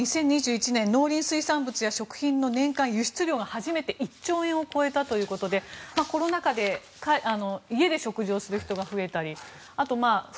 日本は２０２１年農林水産物や食品の年間輸出量が初めて１兆円を超えたということでコロナ禍で家で食事をする人が増えたり